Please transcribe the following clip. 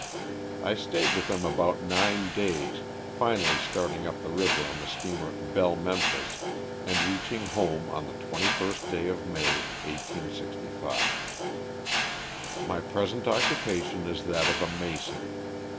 I stayed with them about nine days, finally starting up the river on the steamer " Belle Memphis," and reaching home on the 21st day of May, 1865. My present occupation is that of a mason.